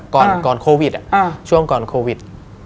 ก่อนโควิดช่วงก่อนโควิด